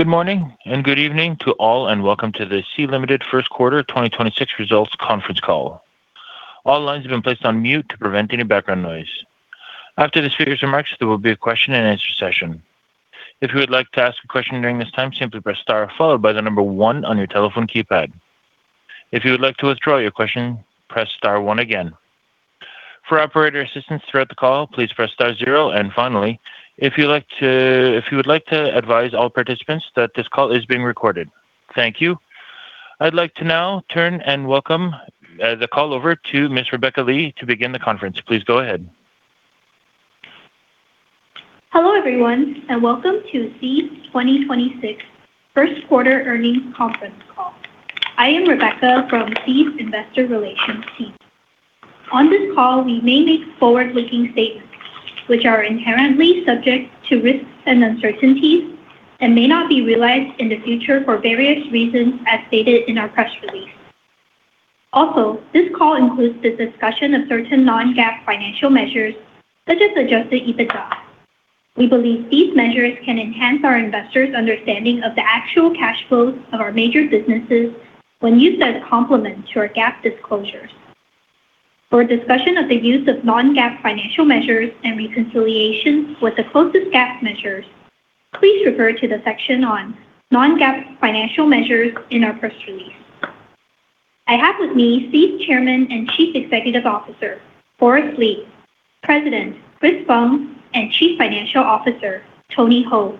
Good morning and good evening to all. Welcome to the Sea Limited first quarter 2026 results conference call. All lines have been placed on mute to prevent any background noise. After the speakers' remarks, there will be a question and answer session. If you would like to ask a question during this time, simply press star followed by one on your telephone keypad. If you would like to withdraw your question, press star one again. For operator assistance throughout the call, please press star zero. Finally, if you would like to advise all participants that this call is being recorded. Thank you. I'd like to now turn and welcome the call over to Miss Rebecca Lee to begin the conference. Please go ahead. Hello, everyone, and welcome to Sea's 2026 first quarter earnings conference call. I am Rebecca from Sea's Investor Relations team. On this call, we may make forward-looking statements which are inherently subject to risks and uncertainties and may not be realized in the future for various reasons, as stated in our press release. Also, this call includes the discussion of certain non-GAAP financial measures, such as adjusted EBITDA. We believe these measures can enhance our investors' understanding of the actual cash flows of our major businesses when used as complement to our GAAP disclosures. For a discussion of the use of non-GAAP financial measures and reconciliation with the closest GAAP measures, please refer to the section on non-GAAP financial measures in our press release. I have with me Sea Chairman and Chief Executive Officer, Forrest Li, President, Chris Feng, and Chief Financial Officer, Tony Hou.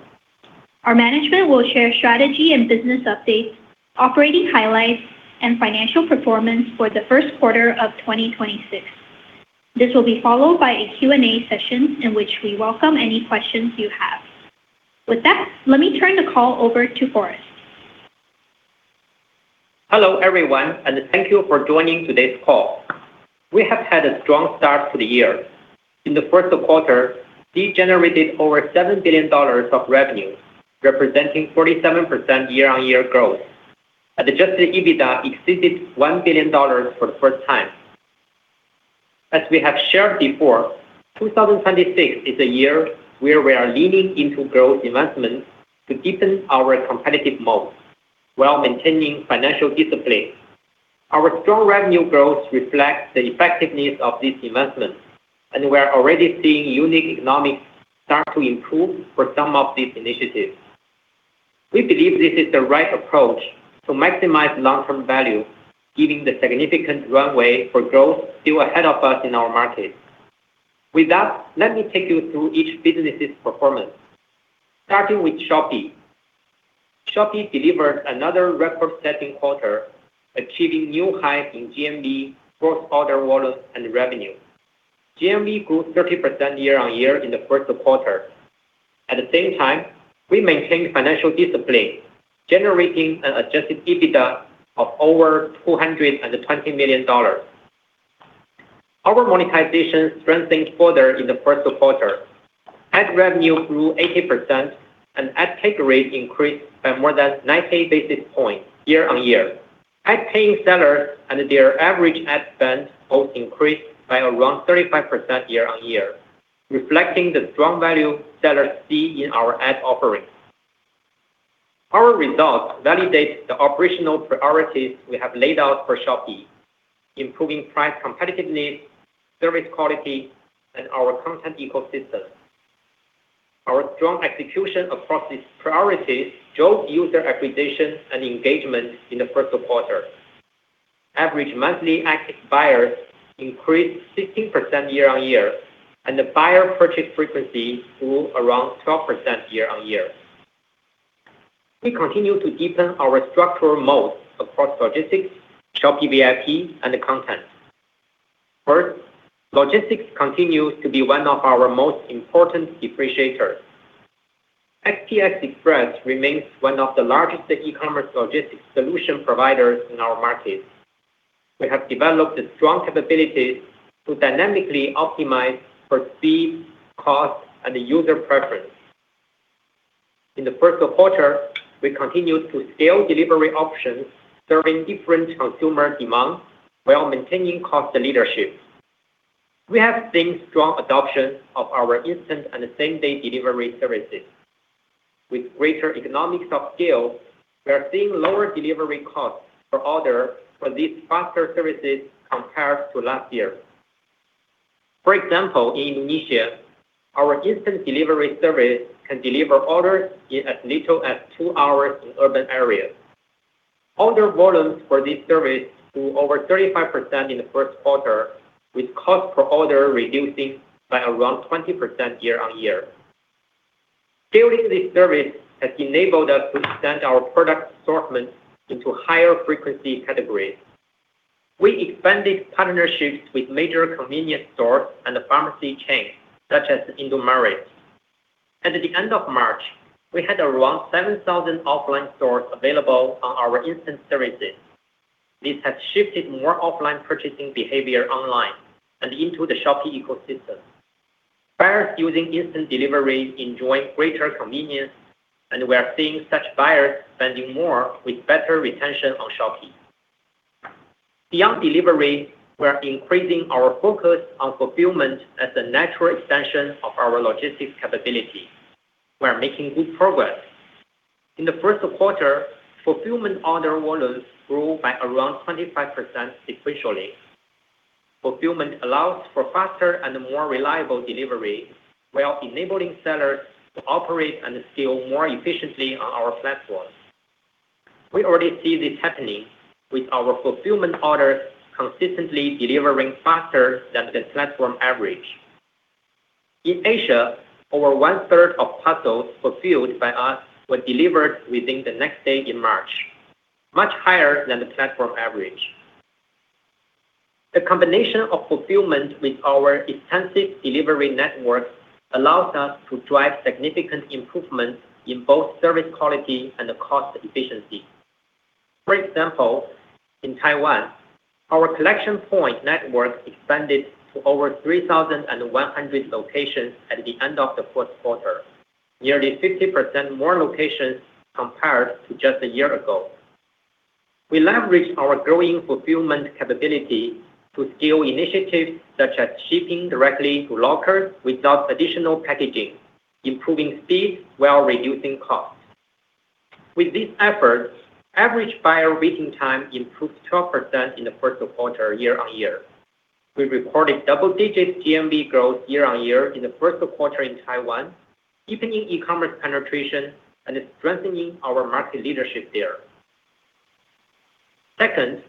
Our management will share strategy and business updates, operating highlights, and financial performance for the first quarter of 2026. This will be followed by a Q&A session in which we welcome any questions you have. With that, let me turn the call over to Forrest. Hello, everyone, and thank you for joining today's call. We have had a strong start to the year. In the first quarter, Sea generated over $7 billion of revenue, representing 47% year-on-year growth. Adjusted EBITDA exceeded $1 billion for the first time. As we have shared before, 2026 is a year where we are leaning into growth investments to deepen our competitive moats while maintaining financial discipline. Our strong revenue growth reflects the effectiveness of these investments. We are already seeing unit economics start to improve for some of these initiatives. We believe this is the right approach to maximize long-term value, giving the significant runway for growth still ahead of us in our market. With that, let me take you through each business's performance. Starting with Shopee. Shopee delivered another record-setting quarter, achieving new highs in GMV, gross order value and revenue. GMV grew 30% year-on-year in the first quarter. At the same time, we maintained financial discipline, generating an adjusted EBITDA of over $220 million. Our monetization strengthened further in the first quarter. Ad revenue grew 80% and ad take rate increased by more than 90 basis points year-on-year. Ad-paying sellers and their average ad spend both increased by around 35% year-on-year, reflecting the strong value sellers see in our ad offerings. Our results validate the operational priorities we have laid out for Shopee, improving price competitiveness, service quality, and our content ecosystem. Our strong execution across these priorities drove user acquisition and engagement in the first quarter. Average monthly active buyers increased 16% year-on-year, and the buyer purchase frequency grew around 12% year-on-year. We continue to deepen our structural moats across logistics, Shopee VIP, and content. Logistics continues to be one of our most important differentiators. SPX Express remains one of the largest e-commerce logistics solution providers in our market. We have developed a strong capability to dynamically optimize for speed, cost, and user preference. In the first quarter, we continued to scale delivery options serving different consumer demands while maintaining cost leadership. We have seen strong adoption of our instant and same-day delivery services. With greater economies of scale, we are seeing lower delivery costs per order for these faster services compared to last year. For example, in Indonesia, our instant delivery service can deliver orders in as little as two hours in urban areas. Order volumes for this service grew over 35% in the first quarter, with cost per order reducing by around 20% year-over-year. Scaling this service has enabled us to extend our product assortment into higher frequency categories. We expanded partnerships with major convenience stores and pharmacy chains such as Indomaret. At the end of March, we had around 7,000 offline stores available on our instant services. This has shifted more offline purchasing behavior online and into the Shopee ecosystem. Buyers using instant delivery enjoy greater convenience, and we are seeing such buyers spending more with better retention on Shopee. Beyond delivery, we're increasing our focus on fulfillment as a natural extension of our logistics capability. We're making good progress. In the first quarter, fulfillment order volumes grew by around 25% sequentially. Fulfillment allows for faster and more reliable delivery while enabling sellers to operate and scale more efficiently on our platform. We already see this happening with our fulfillment orders consistently delivering faster than the platform average. In Asia, over 1/3 of parcels fulfilled by us were delivered within the next day in March. Much higher than the platform average. The combination of fulfillment with our extensive delivery networks allows us to drive significant improvements in both service quality and cost efficiency. For example, in Taiwan, our collection point network expanded to over 3,100 locations at the end of the first quarter. Nearly 50% more locations compared to just a year ago. We leverage our growing fulfillment capability to scale initiatives such as shipping directly to lockers without additional packaging, improving speed while reducing costs. With these efforts, average buyer waiting time improved 12% in the first quarter year-over-year. We reported double digit GMV growth year-over-year in the first quarter in Taiwan, deepening e-commerce penetration and strengthening our market leadership there. Second,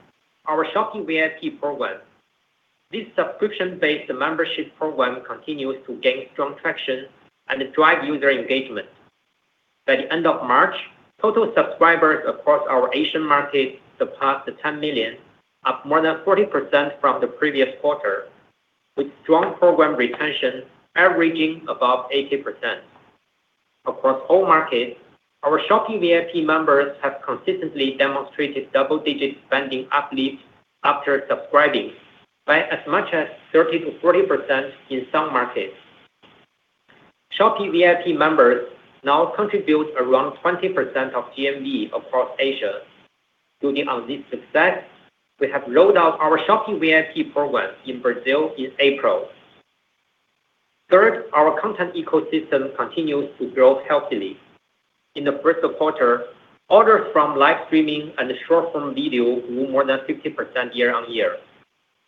our Shopee VIP program. This subscription-based membership program continues to gain strong traction and drive user engagement. By the end of March, total subscribers across our Asian markets surpassed the 10 million, up more than 40% from the previous quarter, with strong program retention averaging above 80%. Across all markets, our Shopee VIP members have consistently demonstrated double digit spending uplift after subscribing by as much as 30%-40% in some markets. Shopee VIP members now contribute around 20% of GMV across Asia. Building on this success, we have rolled out our Shopee VIP program in Brazil in April. Third, our content ecosystem continues to grow healthily. In the first quarter, orders from live streaming and short-form video grew more than 50% year-over-year.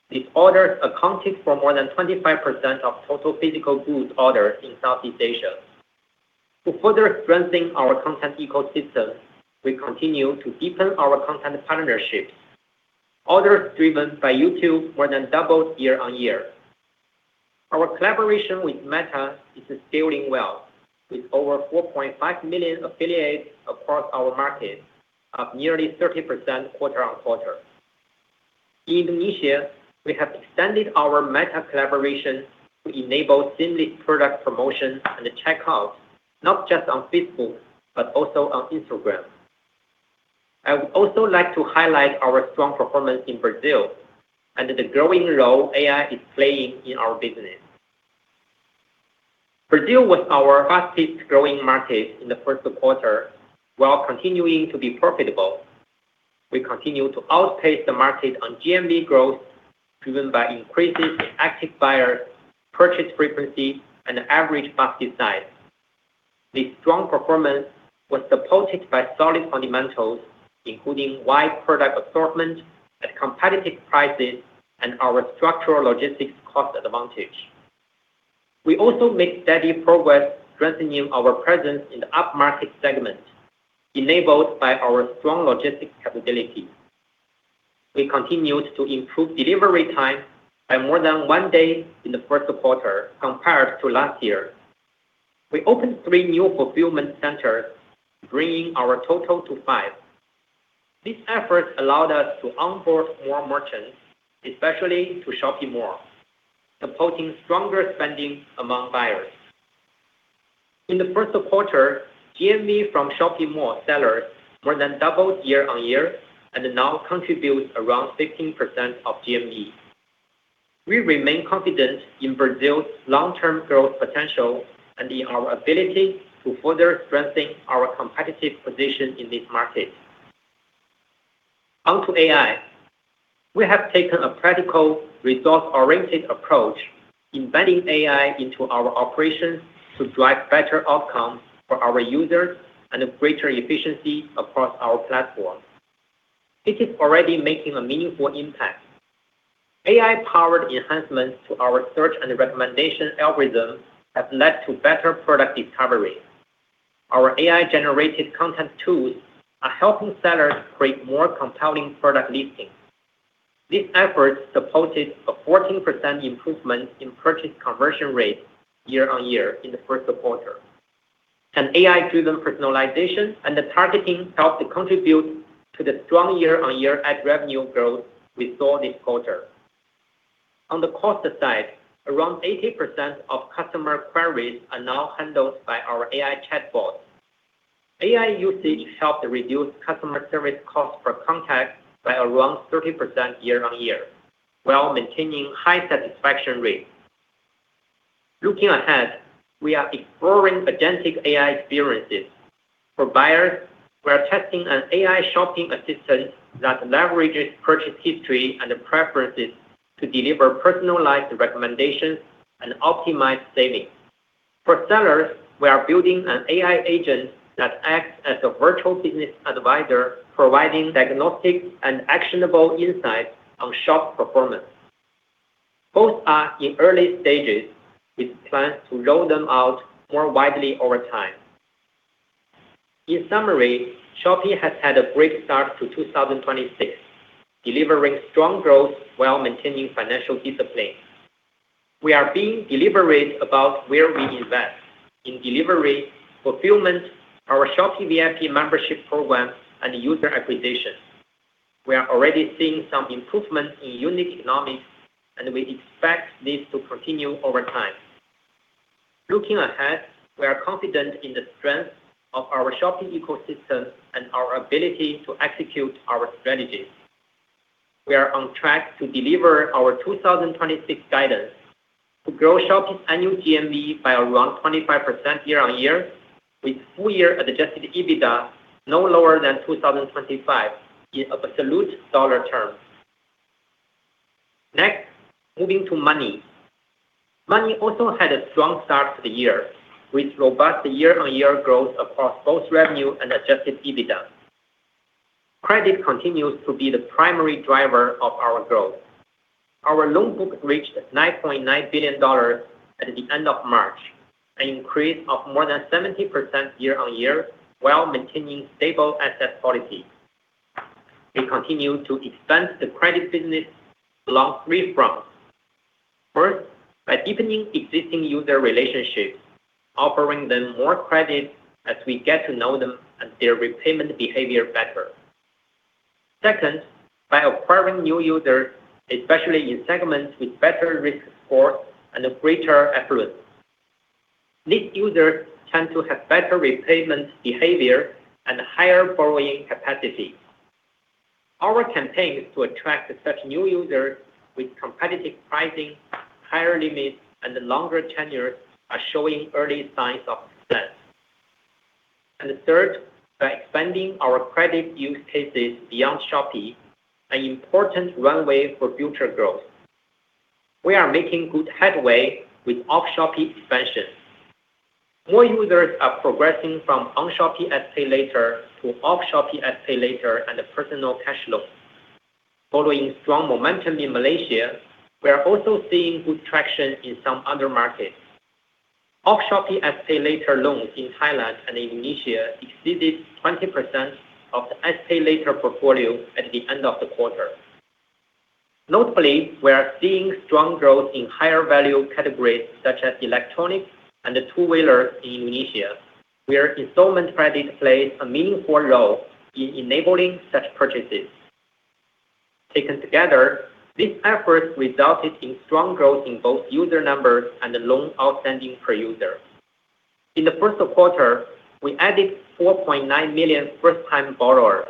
These orders accounted for more than 25% of total physical goods orders in Southeast Asia. To further strengthen our content ecosystem, we continue to deepen our content partnerships. Orders driven by YouTube more than doubled year-on-year. Our collaboration with Meta is scaling well, with over 4.5 million affiliates across our markets, up nearly 30% quarter-on-quarter. In Indonesia, we have extended our Meta collaboration to enable seamless product promotion and checkout, not just on Facebook, but also on Instagram. I would also like to highlight our strong performance in Brazil and the growing role AI is playing in our business. Brazil was our fastest-growing market in the first quarter, while continuing to be profitable. We continue to outpace the market on GMV growth, driven by increases in active buyers, purchase frequency, and average basket size. This strong performance was supported by solid fundamentals, including wide product assortment at competitive prices and our structural logistics cost advantage. We also make steady progress strengthening our presence in the up-market segment, enabled by our strong logistics capability. We continued to improve delivery time by more than one day in the first quarter compared to last year. We opened three new fulfillment centers, bringing our total to five. These efforts allowed us to onboard more merchants, especially to Shopee Mall, supporting stronger spending among buyers. In the first quarter, GMV from Shopee Mall sellers more than doubled year-on-year and now contributes around 15% of GMV. We remain confident in Brazil's long-term growth potential and in our ability to further strengthen our competitive position in this market. Onto AI. We have taken a practical, results-oriented approach, embedding AI into our operations to drive better outcomes for our users and greater efficiency across our platform. It is already making a meaningful impact. AI-powered enhancements to our search and recommendation algorithms have led to better product discovery. Our AI-generated content tools are helping sellers create more compelling product listings. These efforts supported a 14% improvement in purchase conversion rate year-on-year in the first quarter. AI-driven personalization and targeting helped contribute to the strong year-on-year ad revenue growth we saw this quarter. On the cost side, around 80% of customer queries are now handled by our AI chatbot. AI usage helped reduce customer service cost per contact by around 30% year-on-year while maintaining high satisfaction rates. Looking ahead, we are exploring agentic AI experiences. For buyers, we are testing an AI shopping assistant that leverages purchase history and preferences to deliver personalized recommendations and optimize savings. For sellers, we are building an AI agent that acts as a virtual business advisor, providing diagnostics and actionable insights on shop performance. Both are in early stages with plans to roll them out more widely over time. In summary, Shopee has had a great start to 2026, delivering strong growth while maintaining financial discipline. We are being deliberate about where we invest in delivery, fulfillment, our Shopee VIP membership program, and user acquisition. We are already seeing some improvement in unit economics, and we expect this to continue over time. Looking ahead, we are confident in the strength of our Shopee ecosystem and our ability to execute our strategies. We are on track to deliver our 2026 guidance to grow Shopee's annual GMV by around 25% year-on-year, with full year adjusted EBITDA no lower than 2025 in absolute dollar terms. Next, moving to Monee. Monee also had a strong start to the year, with robust year-on-year growth across both revenue and adjusted EBITDA. Credit continues to be the primary driver of our growth. Our loan book reached $9.9 billion at the end of March, an increase of more than 70% year-on-year while maintaining stable asset quality. We continue to expand the credit business along three fronts. First, by deepening existing user relationships, offering them more credit as we get to know them and their repayment behavior better. Second, by acquiring new users, especially in segments with better risk score and greater affluence. These users tend to have better repayment behavior and higher borrowing capacity. Our campaigns to attract such new users with competitive pricing, higher limits, and longer tenure are showing early signs of success. Third, by expanding our credit use cases beyond Shopee, an important runway for future growth. We are making good headway with off-Shopee expansion. More users are progressing from on-Shopee SPayLater to off-Shopee SPayLater and personal cash loans. Following strong momentum in Malaysia, we are also seeing good traction in some other markets. Off-Shopee SPayLater loans in Thailand and Indonesia exceeded 20% of the SPayLater portfolio at the end of the quarter. Notably, we are seeing strong growth in higher value categories such as electronics and two-wheelers in Indonesia, where installment credit plays a meaningful role in enabling such purchases. Taken together, these efforts resulted in strong growth in both user numbers and loan outstanding per user. In the first quarter, we added 4.9 million first-time borrowers.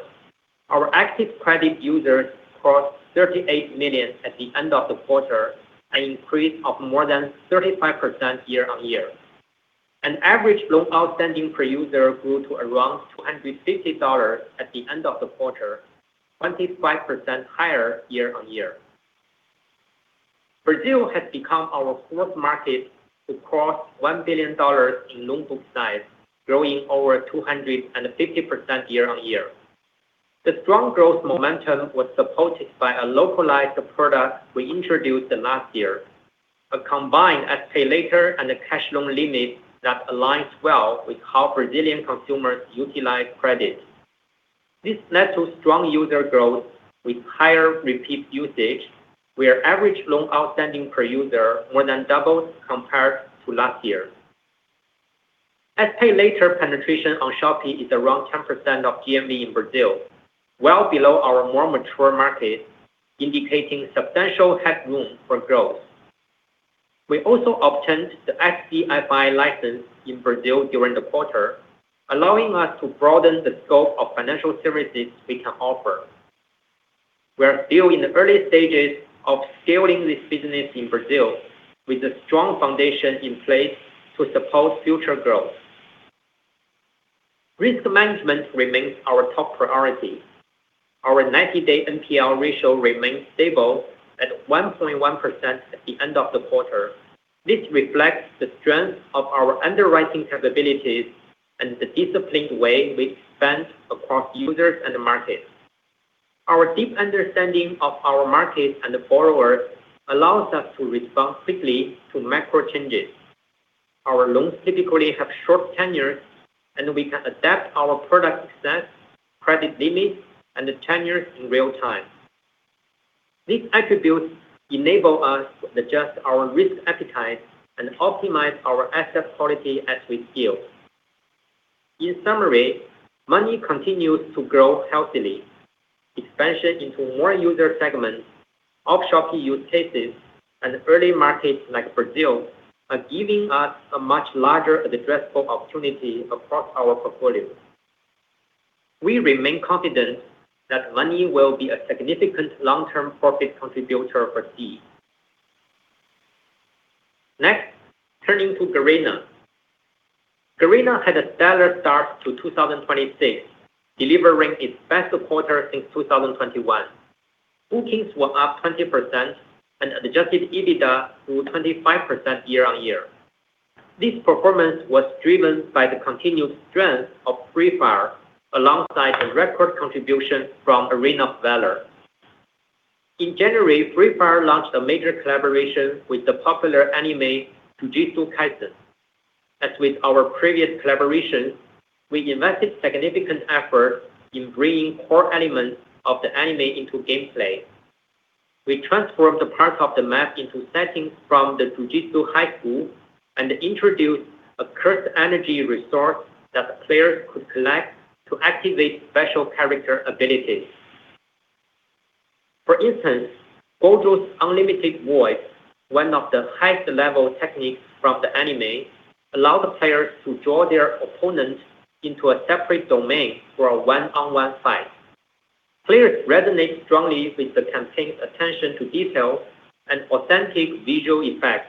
Our active credit users crossed 38 million at the end of the quarter, an increase of more than 35% year-on-year. Average loan outstanding per user grew to around $250 at the end of the quarter, 25% higher year-on-year. Brazil has become our fourth market to cross $1 billion in loan book size, growing over 250% year-on-year. The strong growth momentum was supported by a localized product we introduced last year, a combined SPayLater and cash loan limit that aligns well with how Brazilian consumers utilize credit. This led to strong user growth with higher repeat usage, where average loan outstanding per user more than doubled compared to last year. SPayLater penetration on Shopee is around 10% of GMV in Brazil, well below our more mature markets, indicating substantial headroom for growth. We also obtained the SCFI license in Brazil during the quarter, allowing us to broaden the scope of financial services we can offer. We are still in the early stages of scaling this business in Brazil, with a strong foundation in place to support future growth. Risk management remains our top priority. Our 90-day NPL ratio remained stable at 1.1% at the end of the quarter. This reflects the strength of our underwriting capabilities and the disciplined way we expand across users and markets. Our deep understanding of our markets and borrowers allows us to respond quickly to macro changes. Our loans typically have short tenure, and we can adapt our product mix, credit limits, and tenure in real time. These attributes enable us to adjust our risk appetite and optimize our asset quality as we scale. In summary, Monee continues to grow healthily. Expansion into more user segments, off-Shopee use cases, and early markets like Brazil are giving us a much larger addressable opportunity across our portfolio. We remain confident that Monee will be a significant long-term profit contributor for Sea. Next, turning to Garena. Garena had a stellar start to 2026, delivering its best quarter since 2021. Bookings were up 20% and adjusted EBITDA grew 25% year-on-year. This performance was driven by the continued strength of Free Fire alongside a record contribution from Arena of Valor. In January, Free Fire launched a major collaboration with the popular anime, Jujutsu Kaisen. As with our previous collaborations, we invested significant effort in bringing core elements of the anime into gameplay. We transformed the part of the map into settings from the Jujutsu Kaisen and introduced a cursed energy resource that players could collect to activate special character abilities. For instance, Gojo's Unlimited Void, one of the highest level techniques from the anime, allowed the players to draw their opponent into a separate domain for a one-on-one fight. Players resonate strongly with the campaign's attention to detail and authentic visual effects.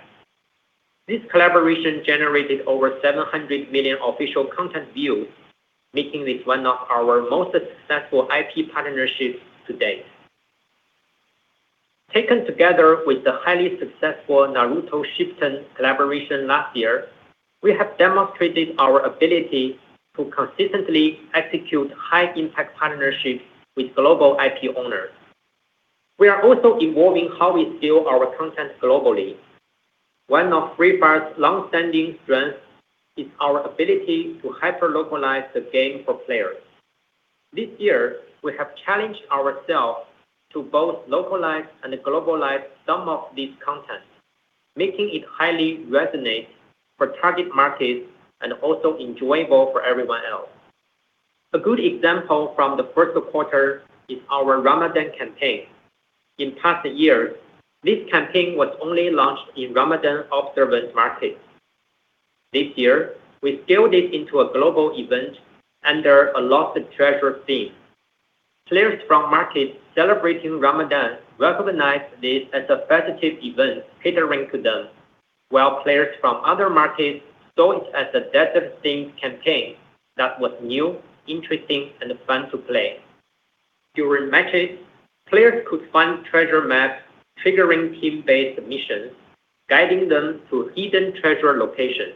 This collaboration generated over 700 million official content views, making this one of our most successful IP partnerships to date. Taken together with the highly successful Naruto Shippuden collaboration last year, we have demonstrated our ability to consistently execute high impact partnerships with global IP owners. We are also evolving how we scale our content globally. One of Free Fire's long-standing strengths is our ability to hyper localize the game for players. This year, we have challenged ourselves to both localize and globalize some of this content, making it highly resonate for target markets and also enjoyable for everyone else. A good example from the first quarter is our Ramadan campaign. In past years, this campaign was only launched in Ramadan observance markets. This year, we scaled it into a global event under a lost treasure theme. Players from markets celebrating Ramadan recognized this as a festive event catering to them, while players from other markets saw it as a festive-themed campaign that was new, interesting, and fun to play. During matches, players could find treasure maps triggering team-based missions, guiding them to hidden treasure locations.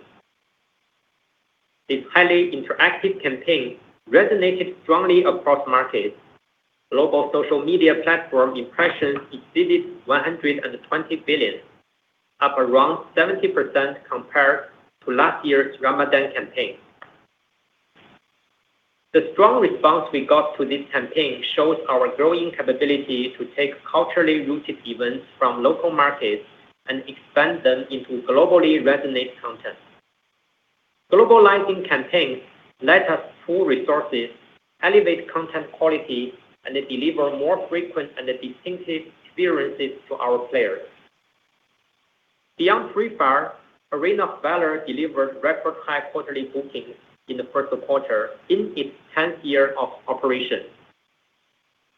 This highly interactive campaign resonated strongly across markets. Global social media platform impressions exceeded 120 billion, up around 70% compared to last year's Ramadan campaign. The strong response we got to this campaign shows our growing capability to take culturally rooted events from local markets and expand them into globally resonate content. Globalizing campaigns let us pool resources, elevate content quality, and deliver more frequent and distinctive experiences to our players. Beyond Free Fire, Arena of Valor delivered record high quarterly bookings in the first quarter in its 10th year of operation.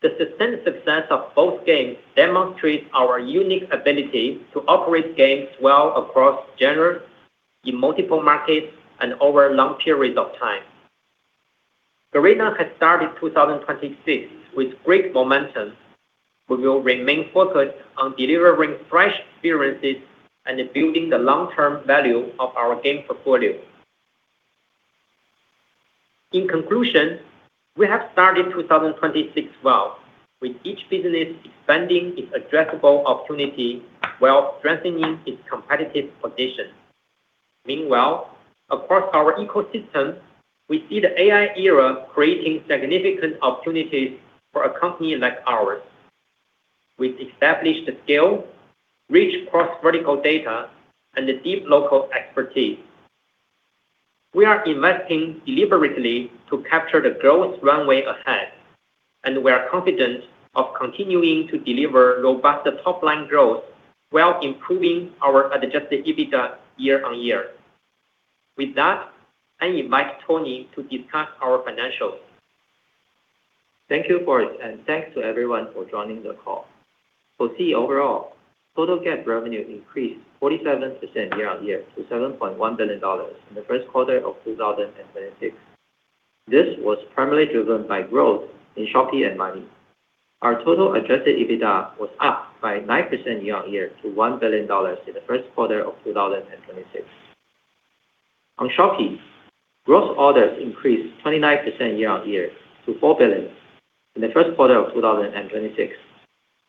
The sustained success of both games demonstrates our unique ability to operate games well across genres in multiple markets and over long periods of time. Garena has started 2026 with great momentum. We will remain focused on delivering fresh experiences and building the long-term value of our game portfolio. In conclusion, we have started 2026 well, with each business expanding its addressable opportunity while strengthening its competitive position. Meanwhile, across our ecosystem, we see the AI era creating significant opportunities for a company like ours. We've established the scale, rich cross-vertical data, and the deep local expertise. We are investing deliberately to capture the growth runway ahead, and we are confident of continuing to deliver robust top-line growth while improving our adjusted EBITDA year-on-year. With that, I invite Tony to discuss our financials. Thank you, Forrest, and thanks to everyone for joining the call. For Sea overall, total GAAP revenue increased 47% year-on-year to $7.1 billion in the first quarter of 2026. This was primarily driven by growth in Shopee and Monee. Our total adjusted EBITDA was up by 9% year-on-year to $1 billion in the first quarter of 2026. On Shopee, gross orders increased 29% year-on-year to $4 billion in the first quarter of 2026,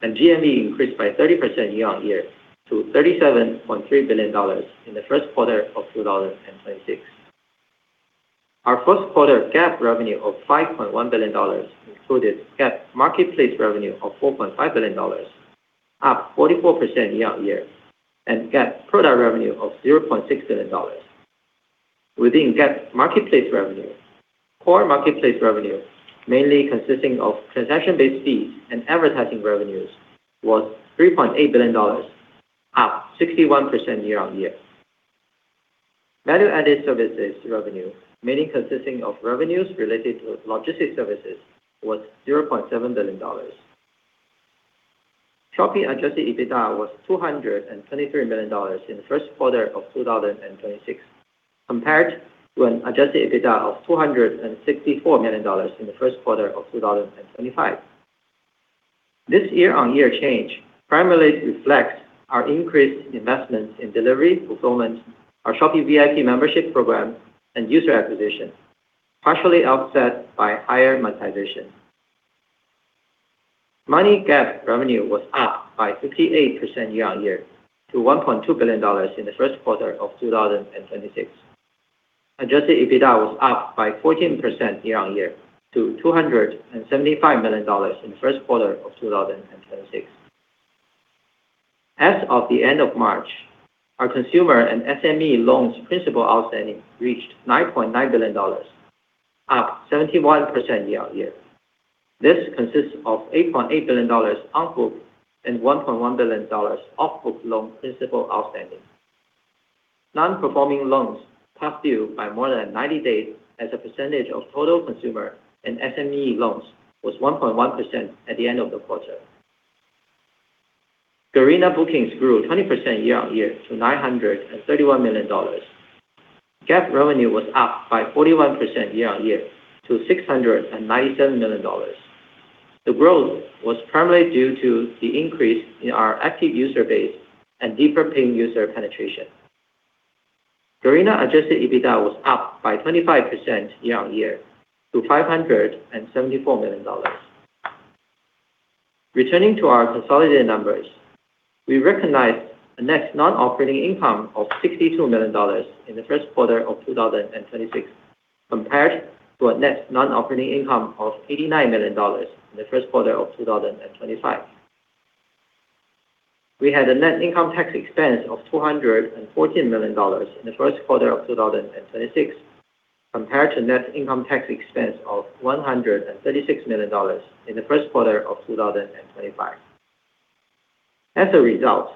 and GMV increased by 30% year-on-year to $37.3 billion in the first quarter of 2026. Our first quarter GAAP revenue of $5.1 billion included GAAP marketplace revenue of $4.5 billion, up 44% year-on-year, and GAAP product revenue of $0.6 billion. Within GAAP marketplace revenue, core marketplace revenue, mainly consisting of transaction-based fees and advertising revenues, was $3.8 billion, up 61% year-on-year. Value-added services revenue, mainly consisting of revenues related to logistic services, was $0.7 billion. Shopee adjusted EBITDA was $223 million in the first quarter of 2026, compared to an adjusted EBITDA of $264 million in the first quarter of 2025. This year-on-year change primarily reflects our increased investments in delivery, fulfillment, our Shopee VIP membership program, and user acquisition, partially offset by higher monetization. Monee GAAP revenue was up by 58% year-on-year to $1.2 billion in the first quarter of 2026. Adjusted EBITDA was up by 14% year-on-year to $275 million in the first quarter of 2026. As of the end of March, our consumer and SME loans principal outstanding reached $9.9 billion, up 71% year-on-year. This consists of $8.8 billion on-book and $1.1 billion off-book loan principal outstanding. Non-performing loans past due by more than 90 days as a percentage of total consumer and SME loans was 1.1% at the end of the quarter. Garena bookings grew 20% year-on-year to $931 million. GAAP revenue was up by 41% year-on-year to $697 million. The growth was primarily due to the increase in our active user base and deeper paying user penetration. Garena adjusted EBITDA was up by 25% year-on-year to $574 million. Returning to our consolidated numbers, we recognized a net non-operating income of $62 million in the first quarter of 2026, compared to a net non-operating income of $89 million in the first quarter of 2025. We had a net income tax expense of $214 million in the first quarter of 2026, compared to net income tax expense of $136 million in the first quarter of 2025. As a result,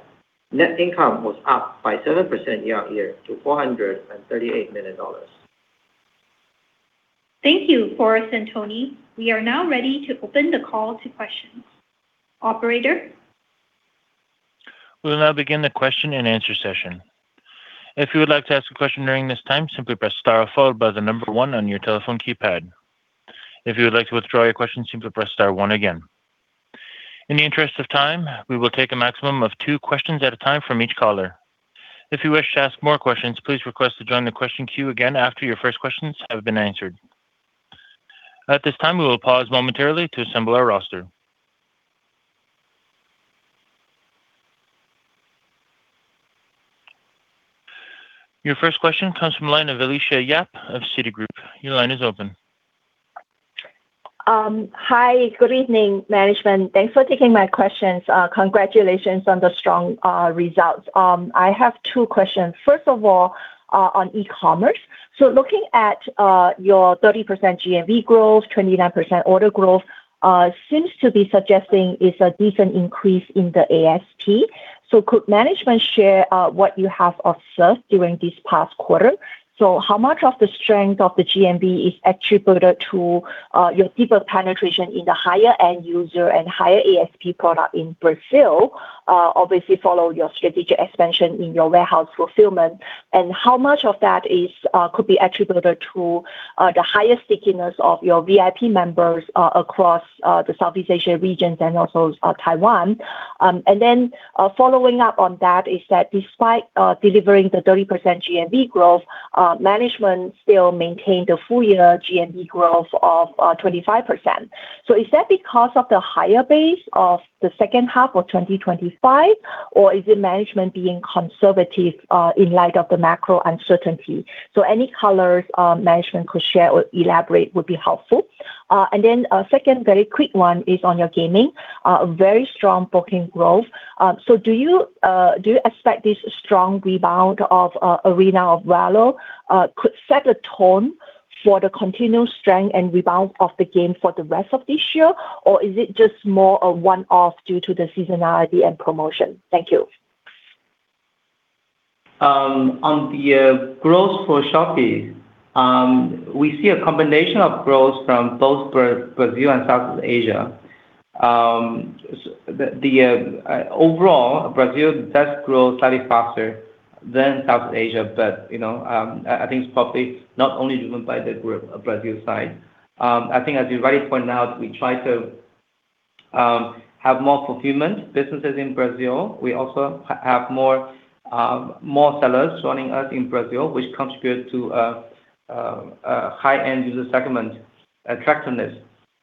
net income was up by 7% year-on-year to $438 million. Thank you, Forrest and Tony. We are now ready to open the call to questions. Operator? Your first question comes from line of Alicia Yap of Citigroup. Your line is open. Hi, good evening, management. Thanks for taking my questions. Congratulations on the strong results. I have two questions. First of all, on e-commerce. Looking at your 30% GMV growth, 29% order growth, seems to be suggesting it's a decent increase in the ASP. Could management share what you have observed during this past quarter? How much of the strength of the GMV is attributed to your deeper penetration in the higher-end user and higher ASP product in Brazil, obviously follow your strategic expansion in your warehouse fulfillment? How much of that is could be attributed to the higher stickiness of your Shopee VIP members across the Southeast Asia regions and also Taiwan? Following up on that is that despite delivering the 30% GMV growth, management still maintained a full year GMV growth of 25%. Is that because of the higher base of the second half of 2025? Or is it management being conservative in light of the macro uncertainty? Any colors management could share or elaborate would be helpful. A second very quick one is on your gaming, very strong booking growth. Do you expect this strong rebound of Arena of Valor could set a tone for the continued strength and rebound of the game for the rest of this year? Is it just more a one-off due to the seasonality and promotion? Thank you. On the growth for Shopee, we see a combination of growth from both Brazil and Southeast Asia. The overall, Brazil does grow slightly faster than Southeast Asia. You know, I think it's probably not only driven by the growth of Brazil side. I think as you rightly point out, we try to have more fulfillment businesses in Brazil. We also have more sellers joining us in Brazil, which contribute to a high-end user segment attractiveness.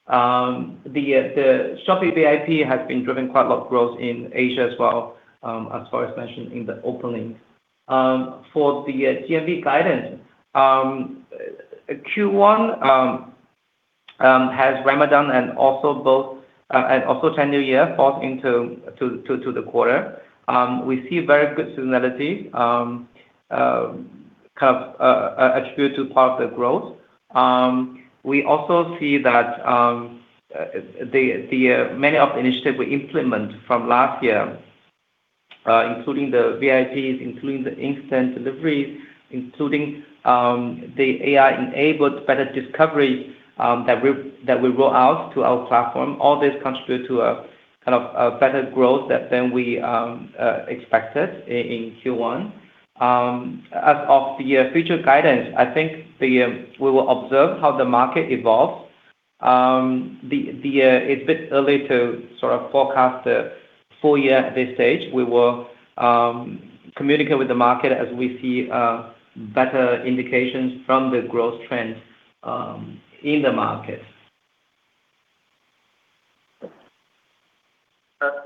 The Shopee VIP has been driving quite a lot of growth in Asia as well, as Forrest mentioned in the opening. For the GMV guidance, Q1 has Ramadan and also Chinese New Year fall into the quarter. We see very good seasonality, kind of attribute to part of the growth. We also see that many of the initiatives we implement from last year, including the VIPs, including the instant deliveries, including the AI-enabled better discovery that we roll out to our platform, all this contribute to a kind of a better growth than we expected in Q1. As of the future guidance, I think we will observe how the market evolves. It's a bit early to sort of forecast the full year at this stage. We will communicate with the market as we see better indications from the growth trends in the market.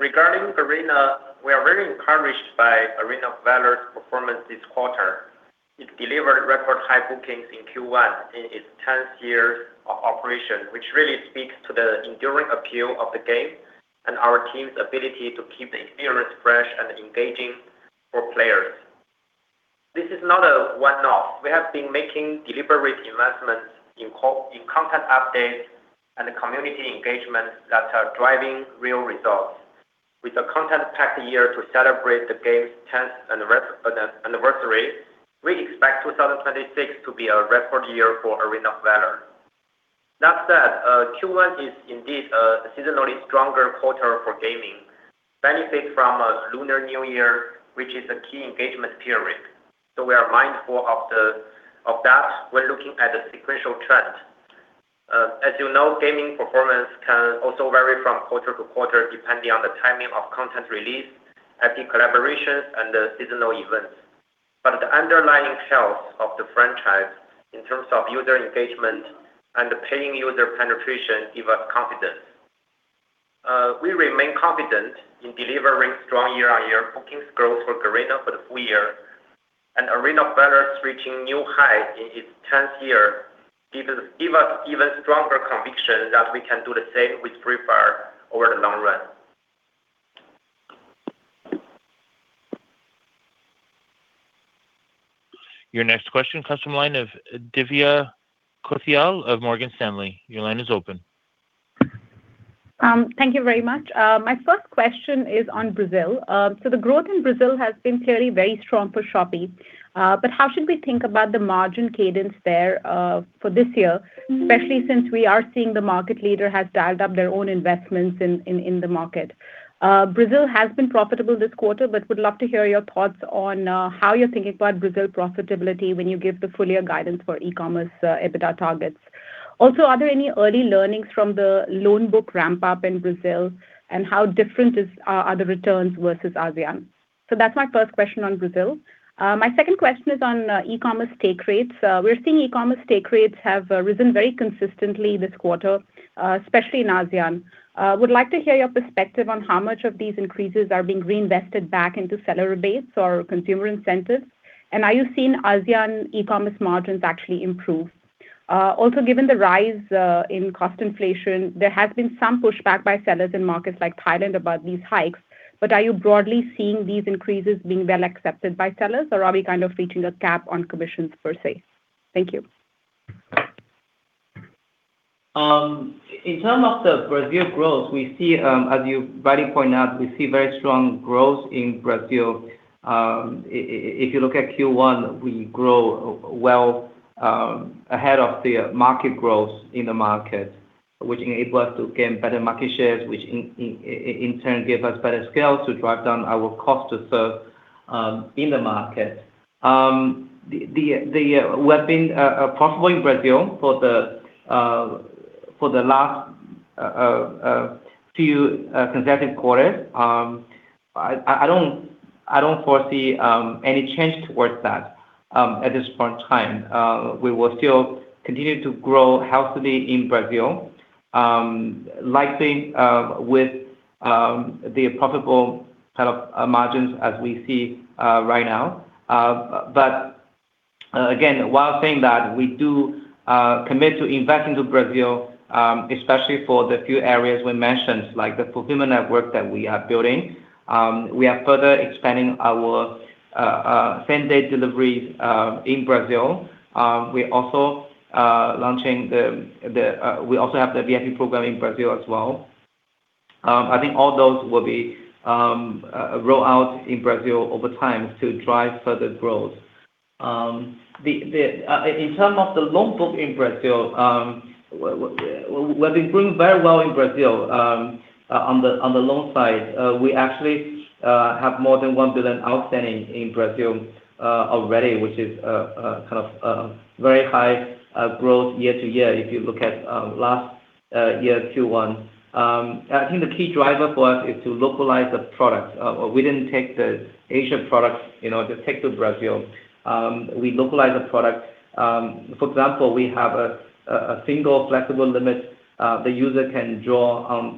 Regarding Arena, we are very encouraged by Arena of Valor's performance this quarter. It delivered record high bookings in Q1 in its 10th year of operation, which really speaks to the enduring appeal of the game and our team's ability to keep the experience fresh and engaging for players. This is not a one-off. We have been making deliberate investments in content updates and community engagement that are driving real results. With a content-packed year to celebrate the game's 10th anniversary, we expect 2026 to be a record year for Arena of Valor. That said, Q1 is indeed a seasonally stronger quarter for gaming, benefit from Lunar New Year, which is a key engagement period. We are mindful of that when looking at the sequential trend. As you know, gaming performance can also vary from quarter-to-quarter, depending on the timing of content release, active collaborations, and the seasonal events. The underlying health of the franchise in terms of user engagement and the paying user penetration give us confidence. We remain confident in delivering strong year-on-year bookings growth for Garena for the full year. Arena of Valor is reaching new heights in its 10th year give us even stronger conviction that we can do the same with Free Fire over the long run. Your next question comes from line of Divya Kothiyal of Morgan Stanley. Your line is open. Thank you very much. My first question is on Brazil. The growth in Brazil has been clearly very strong for Shopee, but how should we think about the margin cadence there for this year, especially since we are seeing the market leader has dialed up their own investments in the market? Brazil has been profitable this quarter, but would love to hear your thoughts on how you're thinking about Brazil profitability when you give the full year guidance for e-commerce EBITDA targets. Also, are there any early learnings from the loan book ramp-up in Brazil and how different are the returns versus ASEAN? That's my first question on Brazil. My second question is on e-commerce take rates. We're seeing e-commerce take rates have risen very consistently this quarter, especially in ASEAN. Would like to hear your perspective on how much of these increases are being reinvested back into seller rebates or consumer incentives, and are you seeing ASEAN e-commerce margins actually improve? Given the rise in cost inflation, there has been some pushback by sellers in markets like Thailand about these hikes, but are you broadly seeing these increases being well accepted by sellers, or are we kind of reaching a cap on commissions per se? Thank you. In terms of the Brazil growth, we see, as you rightly point out, very strong growth in Brazil. If you look at Q1, we grow well ahead of the market growth in the market, which enables us to gain better market shares, which in turn gives us better scale to drive down our cost to serve in the market. We have been profitable in Brazil for the last few consecutive quarters. I don't foresee any change towards that at this point in time. We will still continue to grow healthily in Brazil, likely with the profitable kind of margins as we see right now. Again, while saying that, we do commit to invest into Brazil, especially for the few areas we mentioned, like the fulfillment network that we are building. We are further expanding our same-day deliveries in Brazil. We also have the VIP program in Brazil as well. I think all those will be roll out in Brazil over time to drive further growth. In term of the loan book in Brazil, we're doing very well in Brazil on the loan side. We actually have more than $1 billion outstanding in Brazil already, which is kind of very high growth year-over-year if you look at last year Q1. I think the key driver for us is to localize the products. We didn't take the Asian products, you know, just take to Brazil. We localize the products. For example, we have a single flexible limit, the user can draw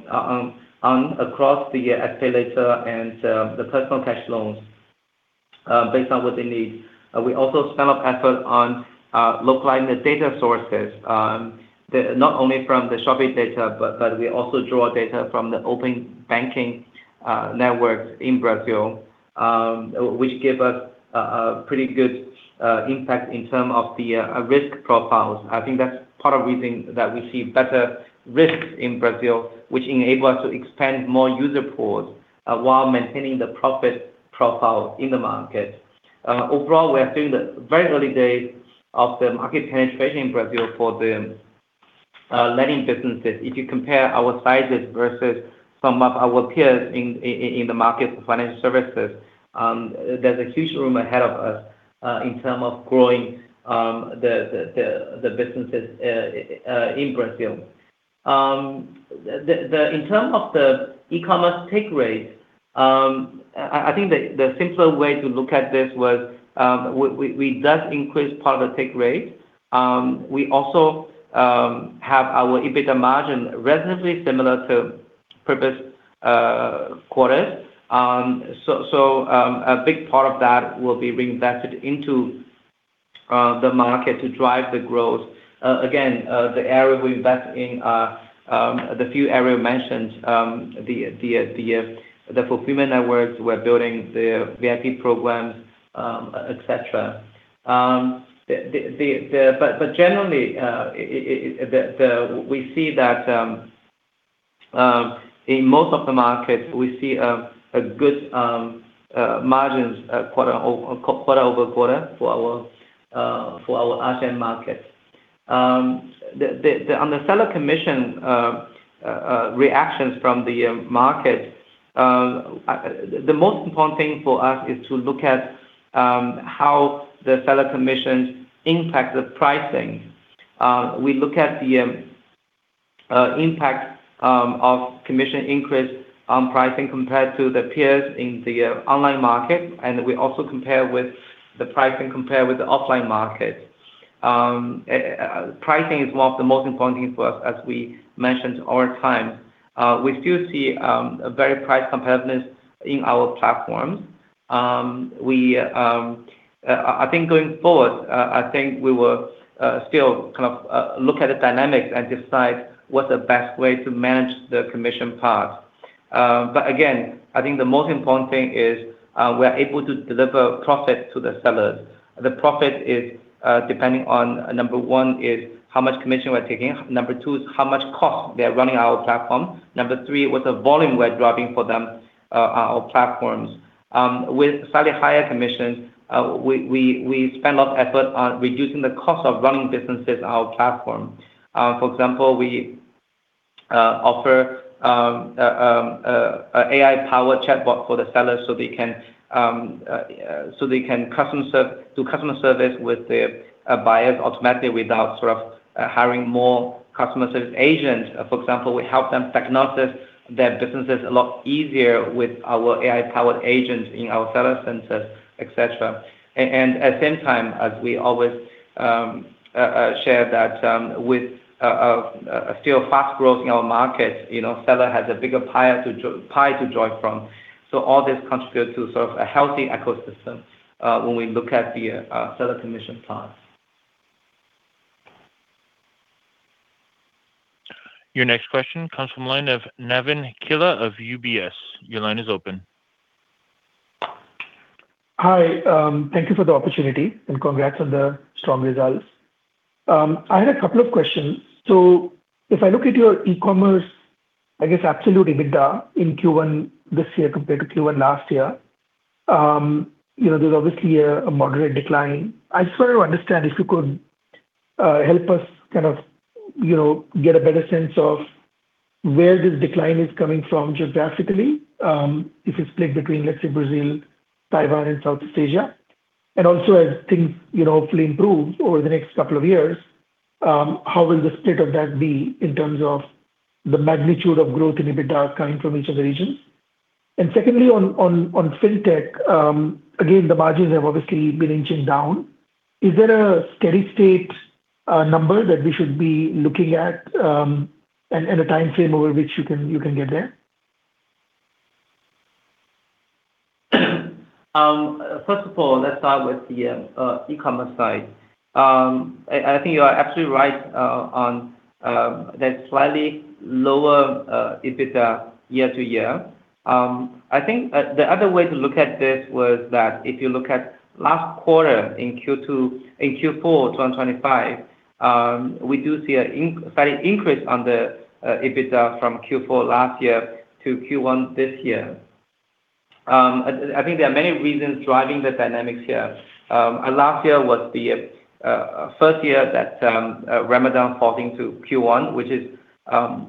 across the accelerator and the personal cash loans based on what they need. We also spent effort on localizing the data sources, not only from the Shopee data, but we also draw data from the open banking networks in Brazil, which give us a pretty good impact in term of the risk profiles. I think that's part of reason that we see better risk in Brazil, which enable us to expand more user pools while maintaining the profit profile in the market. Overall, we are still the very early days of the market penetration in Brazil for the lending businesses. If you compare our sizes versus some of our peers in the market for financial services, there's a huge room ahead of us in terms of growing the businesses in Brazil. In terms of the e-commerce take rates, I think the simpler way to look at this was, we does increase part of the take rate. We also have our EBITDA margin reasonably similar to previous quarters. So, a big part of that will be reinvested into the market to drive the growth. Again, the area we invest in, the few area mentioned, the fulfillment networks, we're building the VIP programs, et cetera. Generally, we see that in most of the markets we see a good margins quarter-over-quarter for our ASEAN markets. On the seller commission, reactions from the market, the most important thing for us is to look at how the seller commissions impact the pricing. We look at the impact of commission increase on pricing compared to the peers in the online market, and we also compare with the pricing compared with the offline market. Pricing is one of the most important things for us as we mentioned over time. We still see a very price competitiveness in our platforms. I think going forward, I think we will still kind of look at the dynamics and decide what's the best way to manage the commission part. Again, I think the most important thing is, we are able to deliver profit to the sellers. The profit is depending on number one is how much commission we're taking. Number two is how much cost they are running our platform. Number three, what's the volume we're driving for them, our platforms. With slightly higher commissions, we spend a lot of effort on reducing the cost of running businesses on our platform. For example, we offer AI-powered chatbot for the sellers so they can do customer service with the buyers automatically without sort of hiring more customer service agents. For example, we help them diagnosis their businesses a lot easier with our AI-powered agents in our seller centers, et cetera. At same time, as we always share that with still fast growth in our market, you know, seller has a bigger pie to enjoy from. All this contribute to sort of a healthy ecosystem when we look at the seller commission part. Your next question comes from the line of Navin Killa of UBS. Your line is open. Hi. Thank you for the opportunity and congrats on the strong results. I had a couple of questions. If I look at your e-commerce, I guess, absolute EBITDA in Q1 this year compared to Q1 last year, you know, there's obviously a moderate decline. I just want to understand if you could help us kind of, you know, get a better sense of where this decline is coming from geographically, if it's split between, let's say, Brazil, Taiwan, and Southeast Asia. Also as things, you know, hopefully improve over the next couple of years, how will the split of that be in terms of the magnitude of growth in EBITDA coming from each of the regions? Secondly, on FinTech, again, the margins have obviously been inching down. Is there a steady-state number that we should be looking at, and a timeframe over which you can get there? First of all, let's start with the e-commerce side. I think you are absolutely right on that slightly lower EBITDA year-to-year. I think the other way to look at this was that if you look at last quarter in Q4 2025, we do see a slight increase on the EBITDA from Q4 last year to Q1 this year. I think there are many reasons driving the dynamics here. Last year was the first year that Ramadan falling to Q1, which is,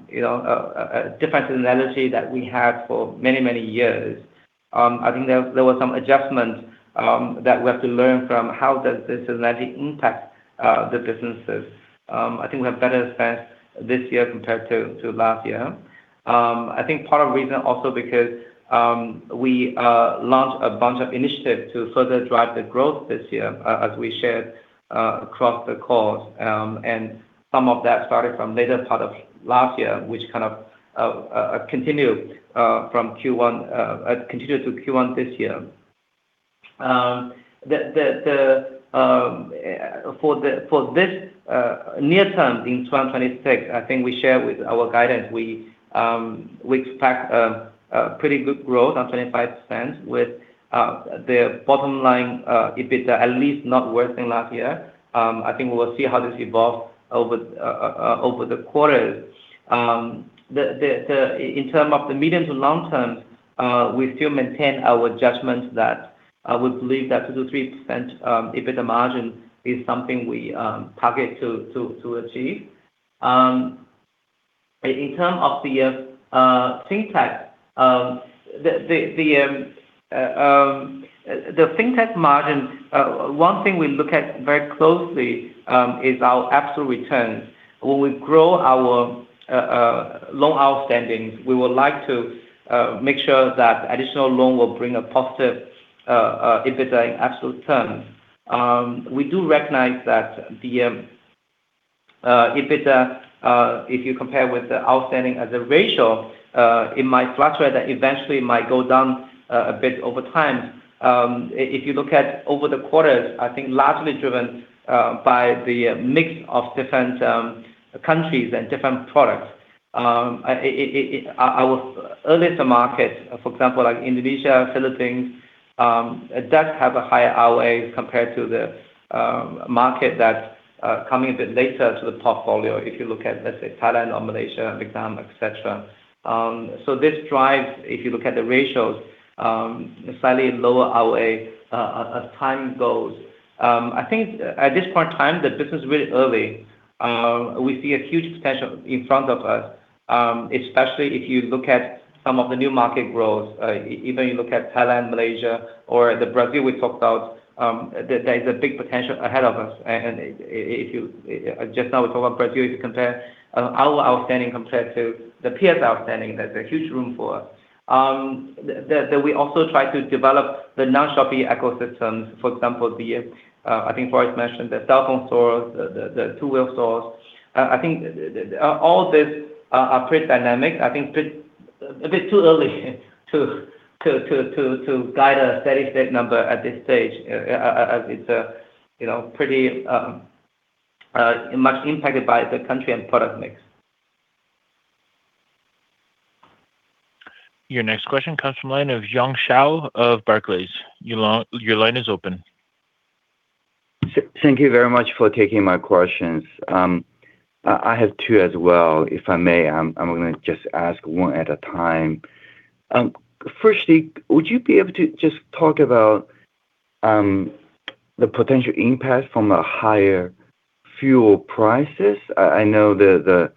you know, a different seasonality that we had for many, many years. I think there were some adjustments that we have to learn from how does this seasonality impact the businesses. I think we have better spend this year compared to last year. I think part of reason also because we launched a bunch of initiatives to further drive the growth this year, as we shared across the calls. And some of that started from later part of last year, which kind of continued to Q1 this year. For this near term in 2026, I think we share with our guidance, we expect a pretty good growth on 25% with the bottom line EBITDA at least not worse than last year. I think we will see how this evolve over the quarters. In terms of the medium to long term, we still maintain our judgment that I would believe that 2%-3% EBITDA margin is something we target to achieve. In terms of the fintech, the fintech margin, one thing we look at very closely is our absolute returns. When we grow our loan outstandings, we would like to make sure that additional loan will bring a positive EBITDA in absolute terms. We do recognize that the EBITDA, if you compare with the outstanding as a ratio, it might fluctuate. That eventually might go down a bit over time. If you look at over the quarters, I think largely driven by the mix of different countries and different products, our earliest markets, for example, like Indonesia, Philippines, does have a higher ROA compared to the market that coming a bit later to the portfolio, if you look at, let's say, Thailand or Malaysia, Vietnam. This drives, if you look at the ratios, slightly lower ROA as time goes. I think at this point in time, the business is really early. We see a huge potential in front of us, especially if you look at some of the new market growth. Even you look at Thailand, Malaysia or the Brazil we talked about, there is a big potential ahead of us. If you, just now we talk about Brazil, if you compare, our outstanding compared to the peers outstanding, there's a huge room for us. That we also try to develop the non-Shopee ecosystems, for example, the, I think Forrest mentioned the cell phone stores, the two-wheel stores. I think all this are pretty dynamic. I think a bit too early to guide a steady state number at this stage. It's, you know, pretty much impacted by the country and product mix. Your next question comes from line of Jiong Shao of Barclays. Your line is open. Thank you very much for taking my questions. I have two as well. If I may, I'm going to just ask one at a time. Firstly, would you be able to just talk about the potential impact from a higher fuel prices? I know the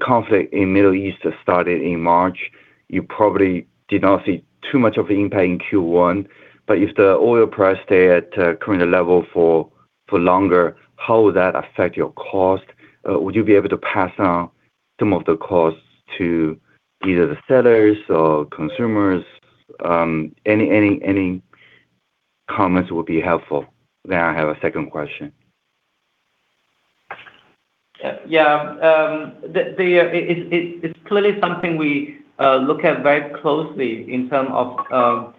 conflict in Middle East has started in March. You probably did not see too much of the impact in Q1. If the oil price stay at current level for longer, how would that affect your cost? Would you be able to pass on some of the costs to either the sellers or consumers? Any comments would be helpful. I have a second question. Yeah. It's clearly something we look at very closely in terms of